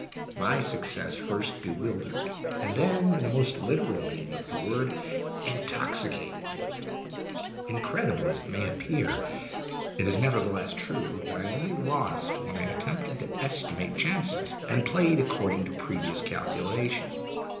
My success first bewildered, and then, in the most literal meaning of the word, intoxicated me. Incredible as it may appear, it is nevertheless true, that I only lost when I attempted to estimate chances, and played according to previous calculation.